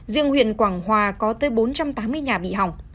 riêng huyện quảng hòa có tới bốn trăm tám mươi nhà bị hỏng